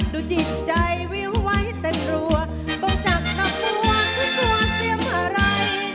ดูจิตใจวิวไว้แต่กลัวต้องจับนับตัวทุกตัวเสียมหลาย